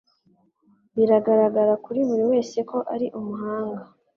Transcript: Biragaragara kuri buri wese ko ari umuhanga.